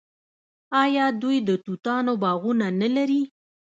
آیا دوی د توتانو باغونه نلري؟